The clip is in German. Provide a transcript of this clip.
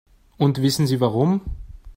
Und wissen Sie warum?